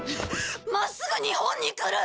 真っすぐ日本に来る！